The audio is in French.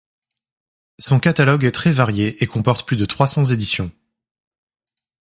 Son catalogue est très varié et comporte plus de trois cents éditions.